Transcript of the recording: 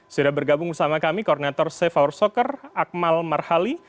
sudah bergabung bersama kami koordinator safe hour soccer akmal marhali